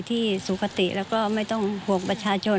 ไว้สุขประชาชนไว้ไปแล้วไม่ต้องหวกประชาชน